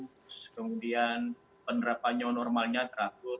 penerapkannya bagus kemudian penerapkannya normalnya teratur